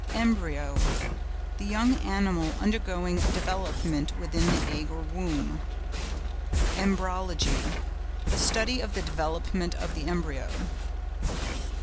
EMBRYO.—The young animal undergoing development within the egg or womb. EMBRYOLOGY.—The study of the development of the embryo.